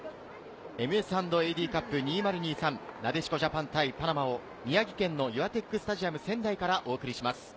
ＭＳ＆ＡＤカップ２０２３、なでしこジャパン対パナマを宮城県のユアテックスタジアム仙台からお送りします。